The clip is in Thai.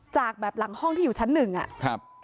จากแบบหลังห้องที่อยู่ชั้นหนึ่งอ่ะครับ